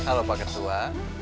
halo pak ketua